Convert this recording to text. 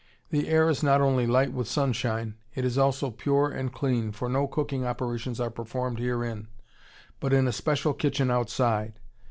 The air is not only light with sunshine; it is also pure and clean, for no cooking operations are performed herein, but in a special kitchen outside.